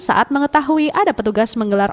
saat mengetahui ada petugas menggelar